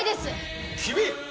君！